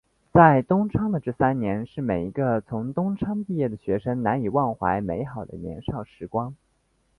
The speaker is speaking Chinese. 在东昌的这三年是每一个从东昌毕业的学生难以忘怀美好的年少时光。